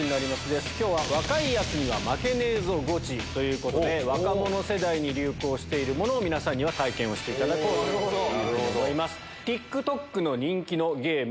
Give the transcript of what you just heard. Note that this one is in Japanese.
今日は。ということで若者世代に流行しているものを皆さんには体験をしていただこうというふうに思います。